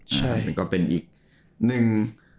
ใช่มันก็เป็นอีกหนึ่ง